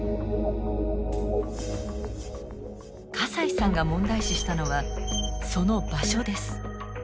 笠井さんが問題視したのはその場所です。